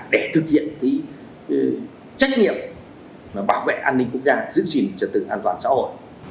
để thực hiện trách nhiệm bảo vệ an ninh quốc gia giữ gìn trật tự an toàn xã hội